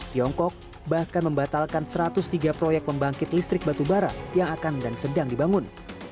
tiongkok bahkan membatalkan satu ratus tiga proyek pembangkit listrik batubara yang akan dan sedang dibangun